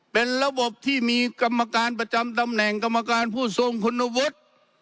เป็นระบบที่มีกรรมการประจำตำแหน่งกรรมการผู้ทรงคุณวุฒิ